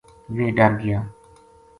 ویہ ڈر گیا